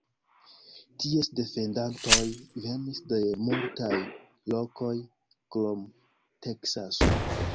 Ties defendantoj venis de multaj lokoj krom Teksaso.